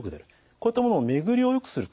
こういったものを巡りをよくする。